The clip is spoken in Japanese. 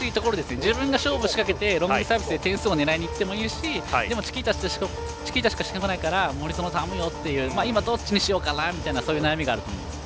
自分が勝負を仕掛けてロングサービスで点数を狙いにいってもいいしでも、チキータしかしてこないし森薗、頼むよっていうどっちにしようかという悩みがあると思います。